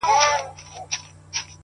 • ښکاري زرکي ته اجل کړی کمین وو ,